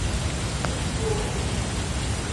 Uniflor